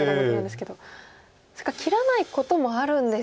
そっか切らないこともあるんですか。